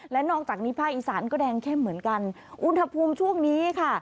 และนอกจากนี้ภาคอีสานก็แดงเข้มเหมือนกันอุณหภูมิช่วงนี้ค่ะ